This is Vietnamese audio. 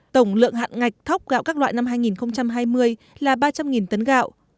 tổng lượng hạn ngạch thóc gạo các loại năm hai nghìn hai mươi là ba trăm linh tấn gạo